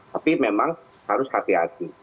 tapi memang harus hati hati